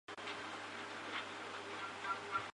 夜间减少蓝光照射与褪黑激素分泌增加有关。